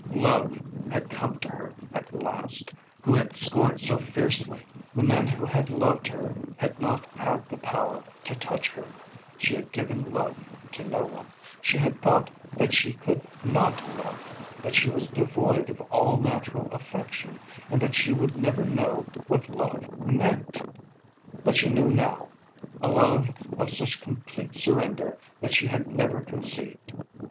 Love had come to her at last who had scorned it so fiercely. The men who had loved her had not had the power to touch her, she had given love to no one, she had thought that she could not love, that she was devoid of all natural affection and that she would never know what love meant. But she knew now a love of such complete surrender that she had never conceived.